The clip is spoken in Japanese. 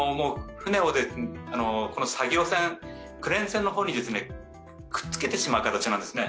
作業船、クレーン船の方にくっつけてしまう形なんですね。